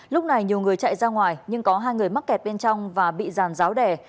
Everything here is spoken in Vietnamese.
lúc này nhiều người chạy ra ngoài nhưng có hai người mắc kẹt bên trong và bị dàn ráo đẻ